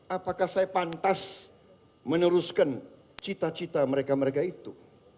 apakah saya pantas meneruskan cita cita mereka mereka itu